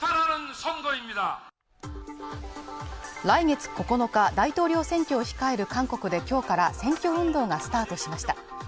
来月９日大統領選挙を控える韓国できょうから選挙運動がスタートしました